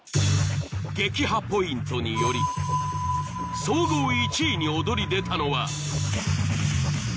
撃破ポイントにより総合１位におどり出たのは。